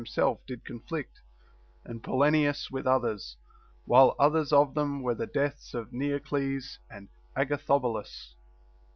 105 himself did conflict and Polyaenus with others, while others of them were the deaths' of Neocles and Agathobu lus.